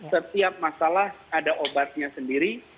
setiap masalah ada obatnya sendiri